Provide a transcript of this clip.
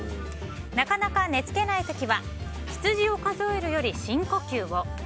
なかなか寝付けない時は羊を数えるより深呼吸を。